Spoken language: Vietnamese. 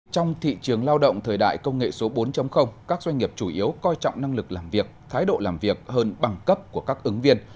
trong thị trường lao động thời đại công nghệ số bốn các doanh nghiệp chủ yếu coi trọng năng lực làm việc thái độ làm việc hơn bằng cấp của các ứng viên